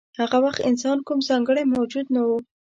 هغه وخت انسان کوم ځانګړی موجود نه و.